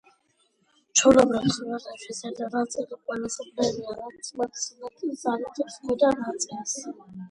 ჩვეულებრივ, სურათებში ზედა ნაწილი ყველაზე ბნელია, რაც მეტ სინათლეს ანიჭებს ქვედა ნაწილს.